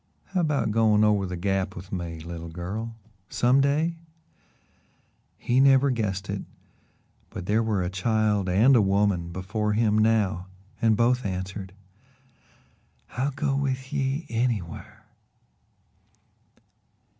"How about going over to the Gap with me, little girl some day?" He never guessed it, but there were a child and a woman before him now and both answered: "I'll go with ye anywhar."